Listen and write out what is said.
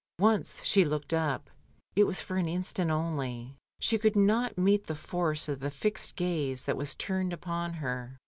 Once she looked up, it was for an instant only; she could not meet the force of the fixed gaze that was turned upon her.